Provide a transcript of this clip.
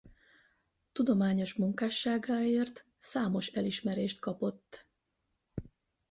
Tudományos munkásságáért számos elismerést kapott.